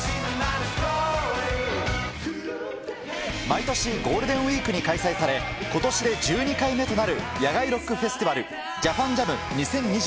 毎年、ゴールデンウィークに開催され、ことしで１２回目となる野外ロックフェスティバル、ＪＡＰＡＮＪＡＭ２０２２。